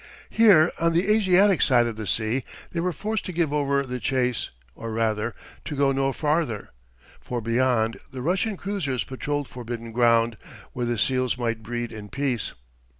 Here, on the Asiatic side of the sea, they were forced to give over the chase, or rather, to go no farther; for beyond, the Russian cruisers patrolled forbidden ground, where the seals might breed in peace.